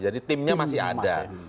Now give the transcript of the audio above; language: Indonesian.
jadi timnya masih ada